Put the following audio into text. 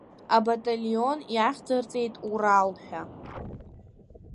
Абаталион иахьӡырҵеит Урал ҳәа.